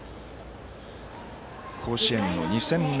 甲子園の２戦目。